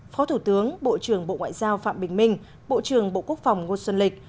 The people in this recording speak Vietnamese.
phó thủ tướng bộ trưởng bộ ngoại giao phạm bình minh bộ trưởng bộ quốc phòng ngô xuân lịch